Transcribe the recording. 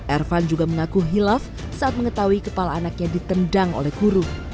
ervan juga mengaku hilaf saat mengetahui kepala anaknya ditendang oleh guru